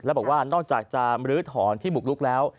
แล้วบอกว่านอกจากจะมรื้อถอนที่บุกลุกแล้ว